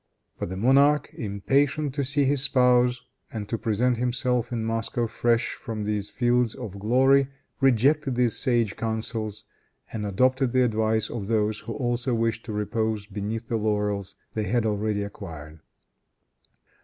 But the monarch, impatient to see his spouse and to present himself in Moscow fresh from these fields of glory, rejected these sage counsels and adopted the advice of those who also wished to repose beneath the laurels they had already acquired.